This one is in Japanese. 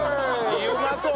うまそう！